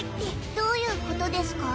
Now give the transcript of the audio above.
どういうことですか？